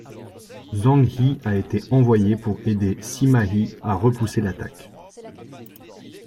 Zhang He a été envoyé pour aider Sima Yi à repousser l'attaque.